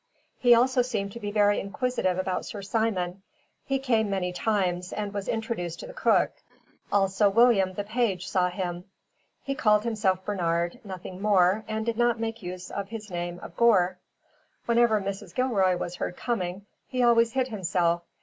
He also seemed to be very inquisitive about Sir Simon. He came many times, and was introduced to the cook. Also William, the page, saw him. He called himself Bernard, nothing more, and did not make use of his name of Gore. Whenever Mrs. Gilroy was heard coming he always hid himself.